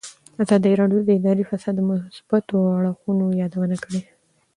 ازادي راډیو د اداري فساد د مثبتو اړخونو یادونه کړې.